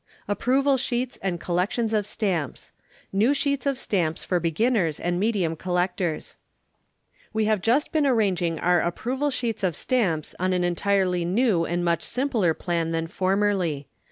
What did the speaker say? Approval Sheets and Collections of Stamps. NEW SHEETS OF STAMPS FOR BEGINNERS AND MEDIUM COLLECTORS. We have just been arranging our Approval Sheets of Stamps on an entirely new and much simpler plan than formerly.